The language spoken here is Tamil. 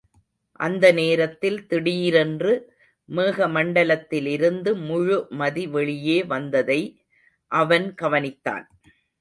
அந்த நேரத்தில் திடீரேன்று மேகமண்டலத்திலிருந்து முழு மதி வெளியே வந்ததை அவன் கவனித்தான்.